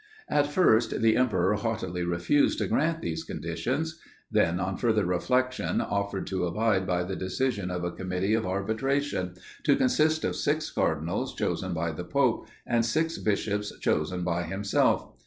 At first the emperor haughtily refused to grant these conditions; then, on further reflection, offered to abide by the decision of a committee of arbitration, to consist of six cardinals chosen by the pope, and six bishops chosen by himself.